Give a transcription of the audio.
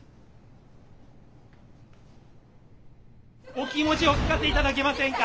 お気持ちお聞かせ頂けませんか？